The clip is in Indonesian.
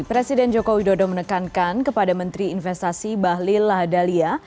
presiden jokowi dodo menekankan kepada menteri investasi bahlil lahadalia